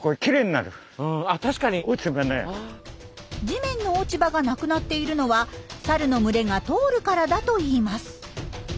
地面の落ち葉が無くなっているのはサルの群れが通るからだといいます。